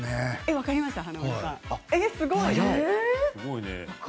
分かりましたか？